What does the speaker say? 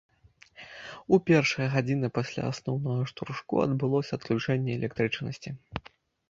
У першыя гадзіны пасля асноўнага штуршку адбылося адключэнне электрычнасці.